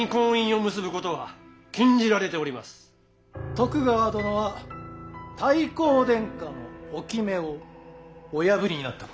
徳川殿は太閤殿下の置目をお破りになったことに。